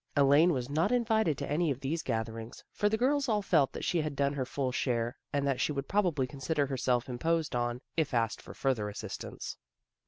Elaine was not invited to any of these gath erings, for the girls all felt that she had done her full share, and that she would probably con sider herself imposed on, if asked for further assistance.